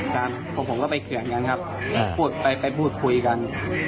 ฉันคุณก็ไปเคียงกันครับไปพูดคุยกัน